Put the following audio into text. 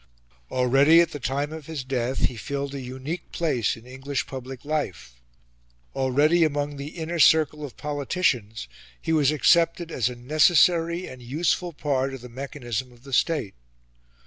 Already at the time of his death he filled a unique place in English public life; already among the inner circle of politicians he was accepted as a necessary and useful part of the mechanism of the State.